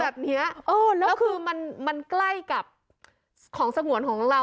แบบนี้แล้วคือมันมันใกล้กับของสงวนของเรา